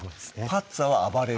パッツァは「暴れる」